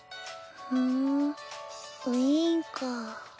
ふんウィーンか。